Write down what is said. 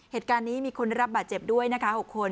เหตุการณ์นี้มีคนได้รับบาดเจ็บด้วยนะคะ๖คน